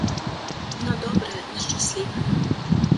На добрае, на шчаслівае!